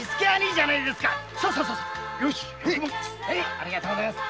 ありがとうございます。